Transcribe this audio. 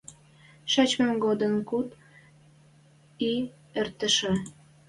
Шачмем годшен куд и эртӹшӹ...